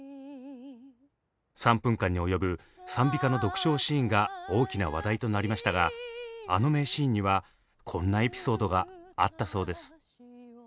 ３分間に及ぶ賛美歌の独唱シーンが大きな話題となりましたがあの名シーンにはこんなエピソードがあったそうです。